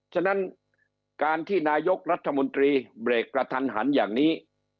ฉะนั้นการที่นายกรัฐมนตรีเบรกกระทันหันอย่างนี้